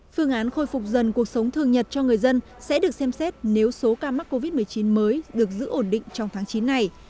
phương án khôi phục dần cuộc sống thường nhật cho người dân sẽ được xem xét nếu số ca mắc covid một mươi chín mới được giữ ổn định trong tháng chín này